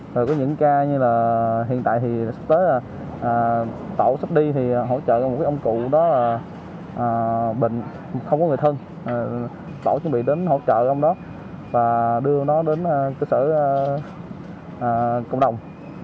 rồi có những ca như là hiện tại thì sắp tới là tổ sắp đi thì hỗ trợ một cái ông cụ đó là bệnh không có người thân tổ chuẩn bị đến hỗ trợ gom đó và đưa nó đến cơ sở cộng đồng